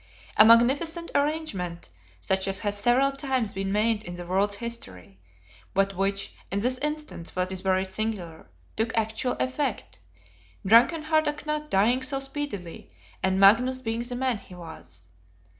A magnificent arrangement, such as has several times been made in the world's history; but which in this instance, what is very singular, took actual effect; drunken Harda Knut dying so speedily, and Magnus being the man he was.